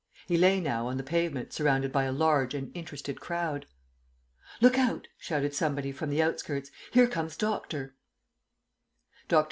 He lay now on the pavement surrounded by a large and interested crowd. "Look out," shouted somebody from the outskirts; "here comes Doctor." Dr.